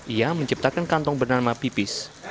ia menciptakan kantong bernama pipis